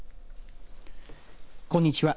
こんにちは。